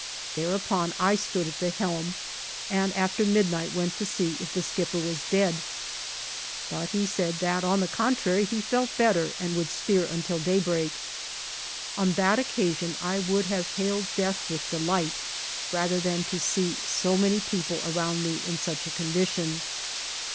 Thereupon I stood at the helm, and after midnight went to see if the skipper was dead, but he said that, on the contrary, he felt better and would steer till daybreak. On that occasion I would have hailed death with delight rather than to see so many people around me in such a condition.